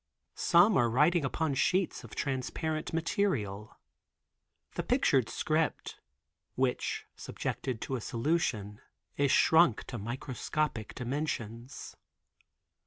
Some are writing upon sheets of transparent material. The pictured script, which subjected to a solution, is shrunk to microscopic dimensions.